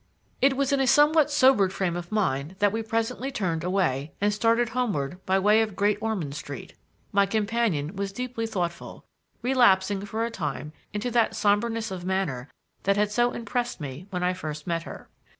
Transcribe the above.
It was in a somewhat sobered frame of mind that we presently turned away and started homeward by way of Great Ormond Street. My companion was deeply thoughtful, relapsing for a while into that somberness of manner that had so impressed me when I first met her.